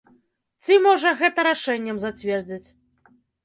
Ці, можа, гэта рашэннем зацвердзяць.